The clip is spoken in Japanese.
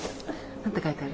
何て書いてある？